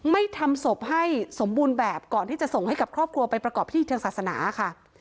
ไม่ทำศพให้สมบูรณ์แบบก่อนที่จะส่งให้กับครอบครัวไปประกอบพิธีทางศาสนาค่ะ